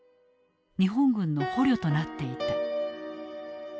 日本軍の捕虜となっていた。